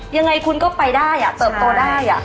ยังไงคุณก็ไปได้เติบโตได้